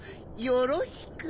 よろしく。